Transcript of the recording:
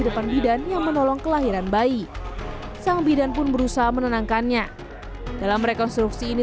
depan bidan yang menolong kelahiran bayi sang bidan pun berusaha menenangkannya dalam rekonstruksi ini